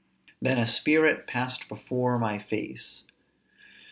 Then a spirit passed before my face.